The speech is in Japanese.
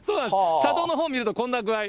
車道のほう見るとこんな具合。